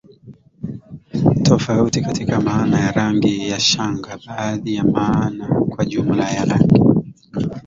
tofauti katika maana ya rangi ya shanga baadhi ya maana kwa jumla ya rangi